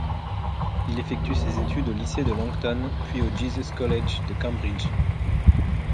Il effectue ses études au lycée de Longton, puis au Jesus College de Cambridge.